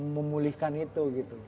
memulihkan itu gitu